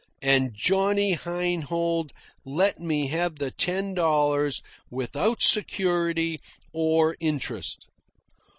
And Johnny Heinhold let me have the ten dollars without security or interest.